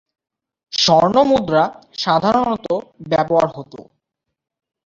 স্বর্ণমুদ্রা সাধারণত ব্যবহার হত।